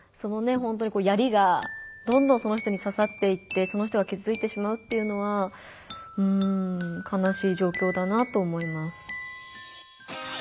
ほんとに槍がどんどんその人にささっていってその人がきずついてしまうっていうのはかなしい状況だなと思います。